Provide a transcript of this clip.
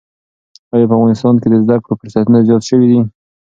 ایا په افغانستان کې د زده کړو فرصتونه زیات شوي دي؟